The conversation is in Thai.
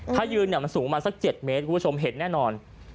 ถ้ายืนสูงมา๗เมตรคุณผู้ชมเห็นแน่นอน